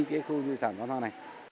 cái khu dự sản văn hóa này